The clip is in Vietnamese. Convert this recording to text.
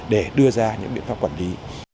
để đưa ra những quy định pháp quản lý